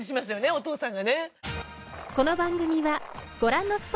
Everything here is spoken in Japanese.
お父さんがね